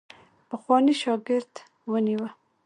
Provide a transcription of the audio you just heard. پخوانی شاګرد ونیوی.